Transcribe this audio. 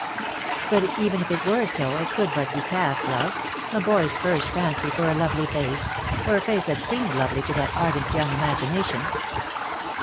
But even if it were so it could but be calf love, a boy's first fancy for a lovely face, or a face that seemed lovely to that ardent young imagination.